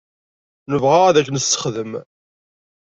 Nebɣa ad k-nessexdem.